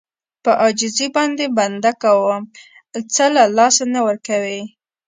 په عاجزي باندې بنده کوم څه له لاسه نه ورکوي.